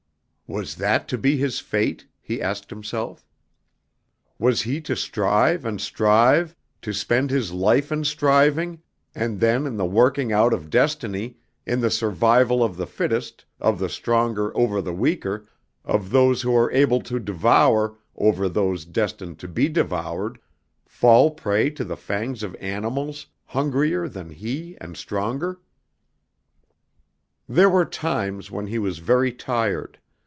"Was that to be his fate?" he asked himself. Was he to strive and strive, to spend his life in striving, and then in the working out of destiny, in the survival of the fittest, of the stronger over the weaker, of those who are able to devour over those destined to be devoured, fall prey to the fangs of animals hungrier than he and stronger? There were times when he was very tired.